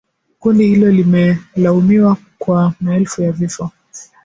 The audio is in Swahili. Kundi hilo limelaumiwa kwa maelfu ya vifo